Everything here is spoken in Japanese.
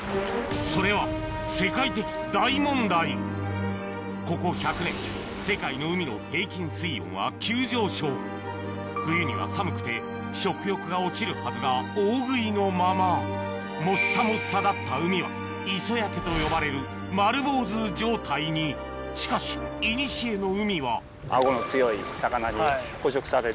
それはここ１００年世界の海の平均水温は急上昇冬には寒くて食欲が落ちるはずが大食いのままもっさもっさだった海は磯焼けと呼ばれる丸坊主状態にしかしいにしえの海は顎の強い魚に捕食される。